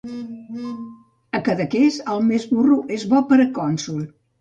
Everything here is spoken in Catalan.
A Cadaqués, el més burro és bo per a cònsol.